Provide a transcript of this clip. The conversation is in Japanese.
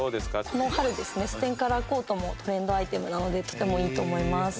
この春ですねステンカラーコートもトレンドアイテムなのでとてもいいと思います。